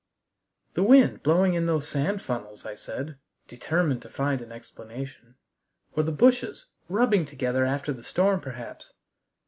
"The wind blowing in those sand funnels," I said, determined to find an explanation, "or the bushes rubbing together after the storm perhaps."